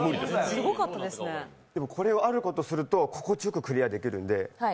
でも、これをあることをすると心地よくクリアできるんで。